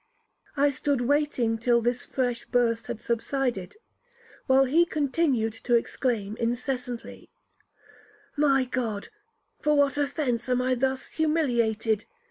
I stood waiting till this fresh burst had subsided, while he continued to exclaim incessantly, 'My God, for what offence am I thus humiliated?